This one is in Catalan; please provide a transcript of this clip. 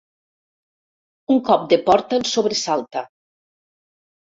Un cop de porta el sobresalta.